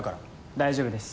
大丈夫です。